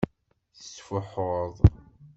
Tettfuḥuḍ.